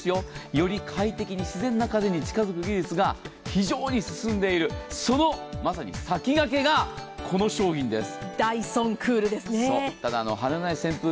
より快適に自然の風に近づく技術が非常に進んでいる、そのまさに先駆けがこの商品です。